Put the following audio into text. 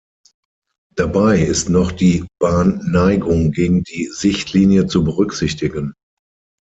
Dabei ist noch die Bahnneigung gegen die Sichtlinie zu berücksichtigen.